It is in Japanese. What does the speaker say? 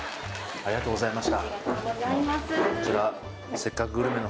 ありがとうございます